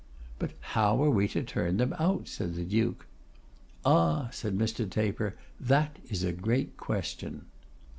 'But how are we to turn them out?' said the Duke. 'Ah!' said Mr. Taper, 'that is a great question.